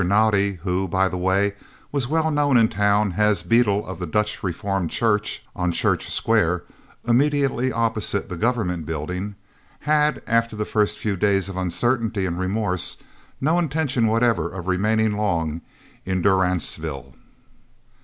Naudé who, by the way, was well known in town as beadle of the Dutch Reformed Church on Church Square immediately opposite the Government Buildings had, after the first few days of uncertainty and remorse, no intention whatever of remaining long in durance vile.